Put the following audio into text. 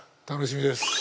楽しみです